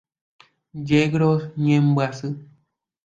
Yegros ñembyasy.